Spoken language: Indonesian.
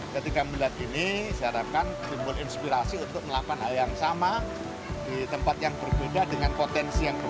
ketika melihat ini saya harapkan timbul inspirasi untuk melakukan hal yang sama di tempat yang berbeda dengan potensi yang berbeda